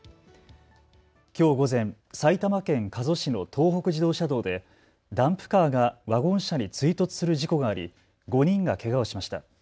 きょう午前、埼玉県加須市の東北自動車道でダンプカーがワゴン車に追突する事故があり５人がけがをしました。